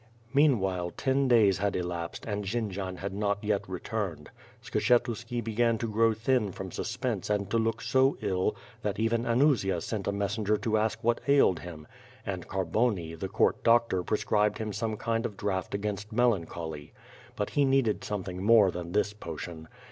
Meanwhile, ten days had elapsed, and Jendzian had not yet returned. Skshetuski began to grow thin from suspense and to look so ill that even Anusia sent a messenger to ask what ailed him — ^and Carboni, the Court doctor prescribed him some kind of draught against melancholy. But he needed something more than this potion.